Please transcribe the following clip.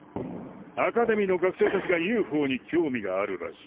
アカデミーの学生たちがＵＦＯに興味があるらしい。